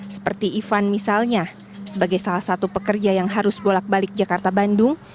seperti ivan misalnya sebagai salah satu pekerja yang harus bolak balik jakarta bandung